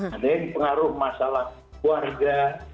ada yang pengaruh masalah warga